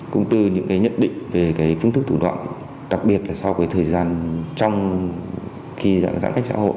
cũng từ những cái nhận định về cái phương thức thủ đoạn đặc biệt là so với thời gian trong khi giãn cách xã hội